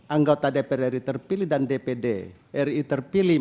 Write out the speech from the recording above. anggota dprd terpilih dan dpd ri terpilih